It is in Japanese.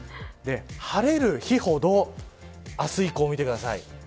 晴れる日ほど明日以降見てください。